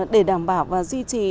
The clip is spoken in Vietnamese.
để đảm bảo và duy trì